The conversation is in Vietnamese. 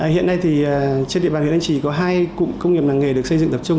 hiện nay thì trên địa bàn huyện anh trì có hai cụm công nghiệp làng nghề được xây dựng tập trung